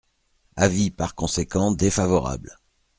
Avis par conséquent défavorable.